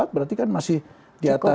berarti kan masih di atas